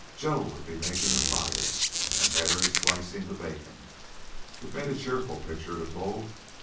Joe would be making the fire, and Harry slicing the bacon. It made a cheerful picture to Bull.